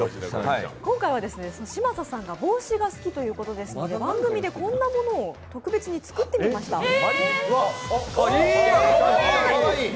今回は嶋佐さんが帽子が好きということで、番組でこんなものを特別につくってみました。